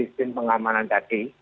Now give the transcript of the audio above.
itu adalah uang pengamanan tadi